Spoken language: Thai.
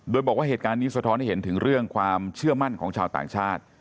โดยบอกว่าเหตุการณ์นี้สะท้อนให้เห็นถึงเรื่องความเชื่อมั่นของชาวต่างชาติ